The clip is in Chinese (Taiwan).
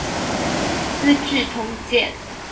資治通鑑